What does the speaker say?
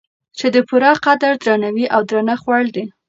چې د پوره قدر، درناوي او درنښت وړ دی